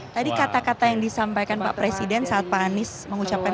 tadi kata kata yang disampaikan pak presiden saat pak anies mengucapkan